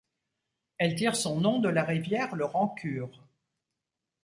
Elle tire son nom de la rivière le Rancure.